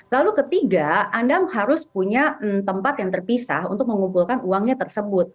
lalu ketiga anda harus punya tempat yang terpisah untuk mengumpulkan uangnya tersebut